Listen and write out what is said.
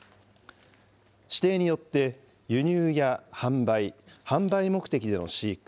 指定によって輸入や販売、販売目的での飼育